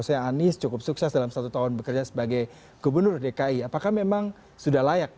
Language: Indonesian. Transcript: saya anies cukup sukses dalam satu tahun bekerja sebagai gubernur dki apakah memang sudah layak